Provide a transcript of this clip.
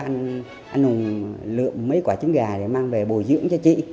anh hùng lượm mấy quả trứng gà để mang về bồi dưỡng cho chị